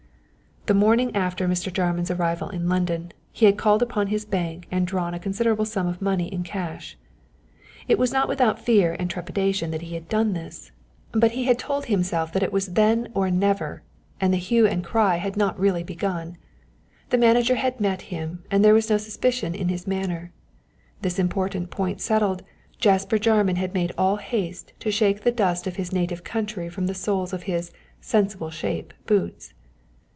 The morning after Mr. Jarman's arrival in London, he had called on his bank and drawn a considerable sum of money in cash. It was not without fear and trepidation that he had done this, but he had told himself that it was then or never, and the hue and cry had not really begun. The manager had met him, and there was no suspicion in his manner. This important point settled, Jasper Jarman had made all haste to shake the dust of his native country from the soles of his "sensible shape" boots.